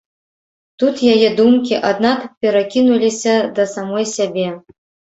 Тут яе думкі, аднак, перакінуліся да самой сябе.